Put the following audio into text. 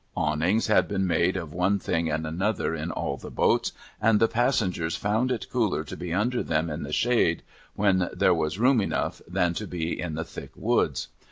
Awnings had been made of one thing and another, in all the boats, and the passengers found it cooler to be under them in the shade, when there was room enough, than to be in the thick woods.